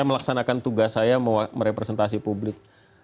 melaksanakan tugas saya merepresentasi publik